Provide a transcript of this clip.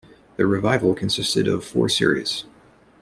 The revival consisted of four series.